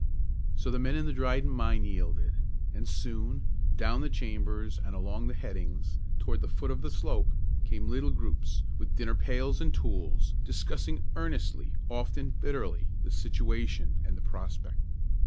So the men in the Dryden Mine yielded; and soon, down the chambers and along the headings, toward the foot of the slope, came little groups, with dinner pails and tools, discussing earnestly, often bitterly, the situation and the prospect.